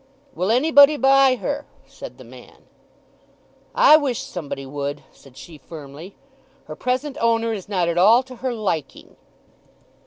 "Will anybody buy her?" said the man. "I wish somebody would," said she firmly. "Her present owner is not at all to her liking!"